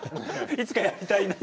いつかやりたいなと？